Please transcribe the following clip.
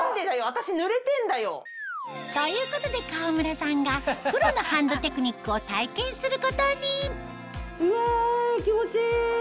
私ぬれてんだよ。ということで川村さんがプロのハンドテクニックを体験することにうわ気持ちいい！